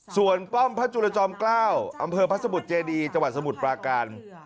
ส่วนป้อมพระจุลจอมเกล้าอำเภอพระสมุทรเจดีจังหวัดสมุทรปราการ